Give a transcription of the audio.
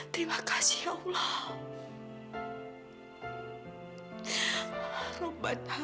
terima kasih ya allah